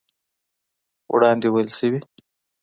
وړاندې ويل شوي